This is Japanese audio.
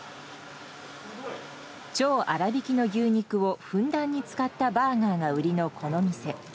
超あらびきの牛肉をふんだんに使ったバーガーが売りのこの店。